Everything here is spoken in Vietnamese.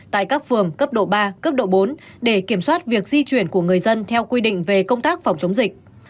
tại các phường cấp độ ba cấp độ bốn để kiểm soát việc di chuyển của người dân theo quy định về công tác phòng chống dịch